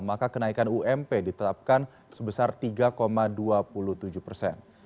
maka kenaikan ump ditetapkan sebesar tiga dua puluh tujuh persen